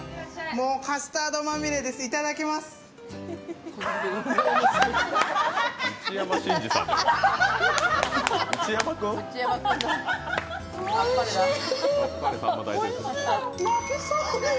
もうカスタードまみれです、いただきます。